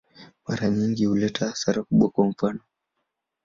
Mara nyingi huleta hasara kubwa, kwa mfano.